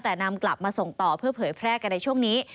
แต่นำกลับมาส่งต่อเพื่อเผยแพร่กันในช่วงนี้